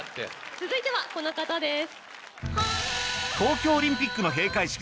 続いてはこの方です。